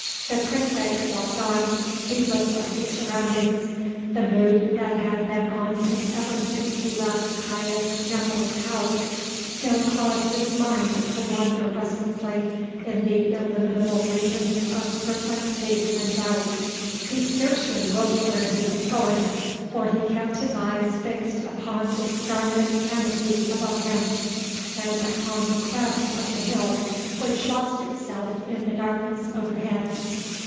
The praefect walked on, heedless of his surroundings. The mood that had been on him ever since he left Caius Nepos' house still caused his mind to wander restlessly in the illimitable regions of perplexity and doubt. He scarcely looked where he was going, for he kept his eyes fixed upon the starlit canopy above him and upon the crest of the hill which lost itself in the darkness overhead.